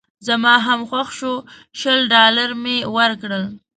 زما هم خوښ شو شل ډالره مې ورکړل.